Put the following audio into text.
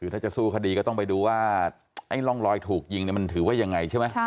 ถ้าจะสู้คดีก็ต้องไปดูว่าไอ้ร่องรอยถูกยิงมันถือว่ายังไงใช่ไหม